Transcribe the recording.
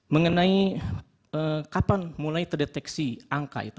mengenai kapan mulai terdeteksi angka itu